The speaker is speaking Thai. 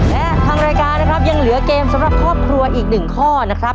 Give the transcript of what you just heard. และทางรายการนะครับยังเหลือเกมสำหรับครอบครัวอีกหนึ่งข้อนะครับ